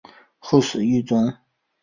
后死于狱中。